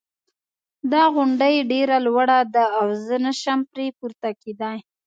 دا غونډی ډېره لوړه ده او زه نه شم پری پورته کېدای